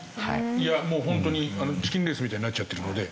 いやもうホントにチキンレースみたいになっちゃってるので。